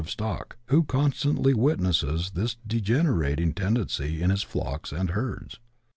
123 of stock, who constantly witnesses this degenerating tendency in his flocks and herds.